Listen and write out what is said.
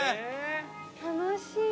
楽しい。